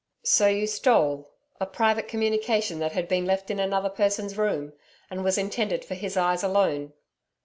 'So you stole a private communication that had been left in another person's room, and was intended for his eyes alone?'